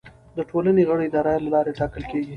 د ټولنې غړي د رایو له لارې ټاکل کیږي.